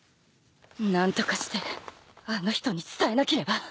何とかしてあの人に伝えなければ